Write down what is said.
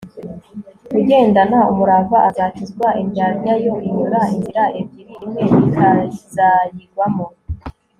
ugendana umurava azakizwa, indyarya yo inyura inzira ebyiri, imwe ikazayigwamo